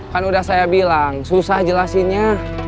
kan udah saya bilang susah jelasinnya